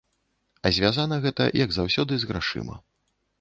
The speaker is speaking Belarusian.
А звязана гэта, як заўсёды, з грашыма.